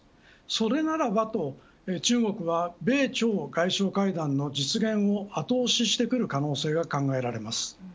それならばと中国は米朝外相会談の実現を後押ししてくる可能性が考えられます。